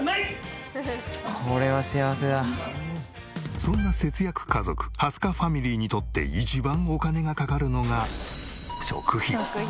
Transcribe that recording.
そんな節約家族蓮香ファミリーにとって一番お金がかかるのが食費。